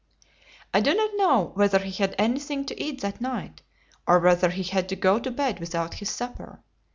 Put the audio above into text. I do not know whether he had any thing to eat that night, or whether he had to go to bed without his supper.